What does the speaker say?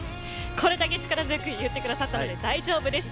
これだけ力強く言ってくださったので大丈夫です。